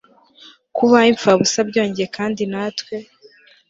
kubaye imfabusa byongeye kandi natwe